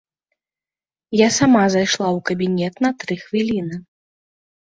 Я сама зайшла ў кабінет на тры хвіліны.